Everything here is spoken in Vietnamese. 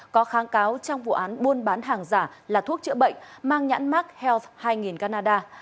có kháng cáo trong vụ án buôn bán hàng giả là thuốc chữa bệnh mang nhãn mark health hai canada